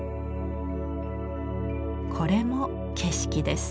これも景色です。